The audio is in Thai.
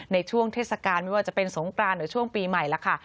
ในช่วงเทศกาลไม่ว่าจะเป็นสงกรานหรือช่วงปีใหม่แล้วค่ะ